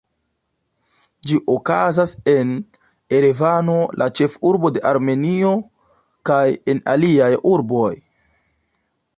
Ĝi okazas en Erevano, la ĉefurbo de Armenio, kaj en aliaj urboj.